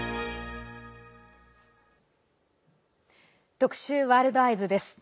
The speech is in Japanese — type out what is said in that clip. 特集「ワールドＥＹＥＳ」。